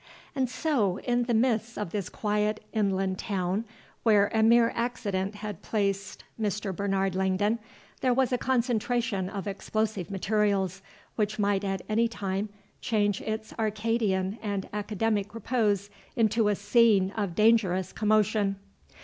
And so, in the midst of this quiet inland town, where a mere accident had placed Mr. Bernard Langdon, there was a concentration of explosive materials which might at any time change its Arcadian and academic repose into a scene of dangerous commotion.